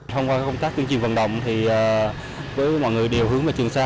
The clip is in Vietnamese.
thông qua công tác tuyên truyền vận động thì với mọi người đều hướng về trường sa